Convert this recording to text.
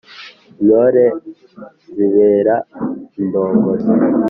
Intore nzibera indongozi.